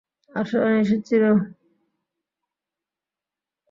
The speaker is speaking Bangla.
আসা নিষেধ ছিল না?